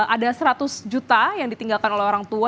ada seratus juta yang ditinggalkan oleh orang tua